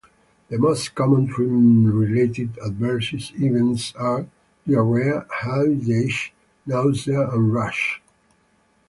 The most common treatment-related adverse events are diarrhea, headache, nausea, and rash.